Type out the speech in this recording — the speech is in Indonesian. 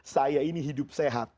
saya ini hidup sehat